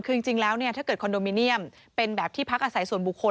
คือจริงแล้วถ้าเกิดคอนโดมิเนียมเป็นแบบที่พักอาศัยส่วนบุคคล